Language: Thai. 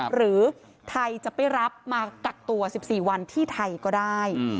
หรือไทยจะไปรับมากักตัว๑๔วันที่ไทยก็ได้